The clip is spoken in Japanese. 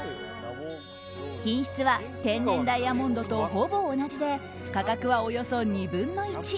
品質は天然ダイヤモンドとほぼ同じで価格はおよそ２分の１。